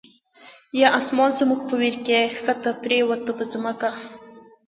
یا آسمان زمونږ په ویر کی، ښکته پریوته په ځمکه